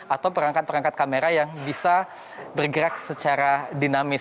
atau perangkat perangkat kamera yang bisa bergerak secara dinamis